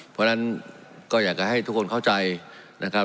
เพราะฉะนั้นก็อยากจะให้ทุกคนเข้าใจนะครับ